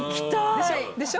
「でしょ？でしょ？」